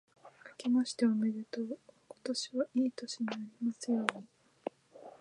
あけましておめでとう。今年はいい年になりますように。